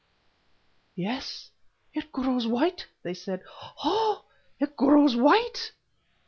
_" "Yes, it grows white," they said. "Ou! it grows white."